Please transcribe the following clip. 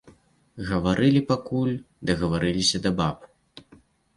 Гаварылі, пакуль дагаварыліся да баб.